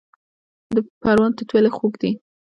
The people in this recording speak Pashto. د پروان توت ولې خوږ دي؟